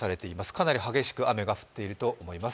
かなり激しく雨が降っていると思います。